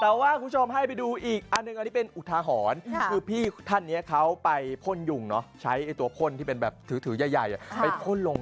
แต่ว่าคุณผู้ชมให้ไปดูอีกอันหนึ่งอันนี้เป็นอุทาหรณ์